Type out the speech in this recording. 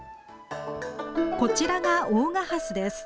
こちらが大賀ハスです。